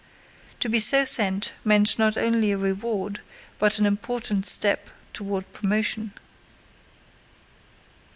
To be so sent meant not only a reward but an important step toward promotion.